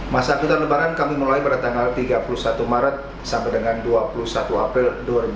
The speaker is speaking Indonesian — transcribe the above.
masa angkutan lebaran kami mulai pada tanggal tiga puluh satu maret sampai dengan dua puluh satu april dua ribu dua puluh